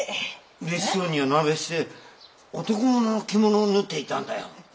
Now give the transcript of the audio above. うれしそうに夜なべして男物の着物を縫っていたんだよ。